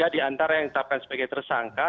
tiga di antara yang ditapkan sebagai tersangka